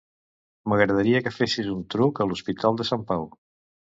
M'agradaria que fessis un truc a l'Hospital de Sant Pau.